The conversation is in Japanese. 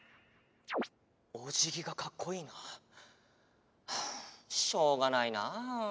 おじぎがかっこいいな。はあしょうがないな。